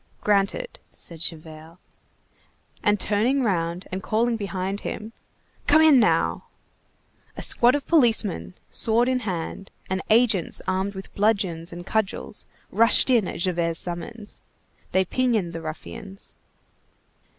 "Granted," said Javert. And turning round and calling behind him:— "Come in now!" A squad of policemen, sword in hand, and agents armed with bludgeons and cudgels, rushed in at Javert's summons. They pinioned the ruffians.